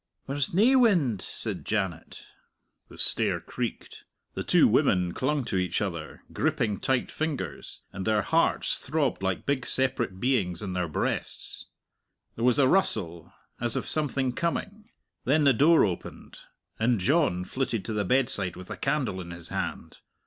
"There's nae wind!" said Janet. The stair creaked. The two women clung to each other, gripping tight fingers, and their hearts throbbed like big separate beings in their breasts. There was a rustle, as of something coming; then the door opened, and John flitted to the bedside with a candle in his hand.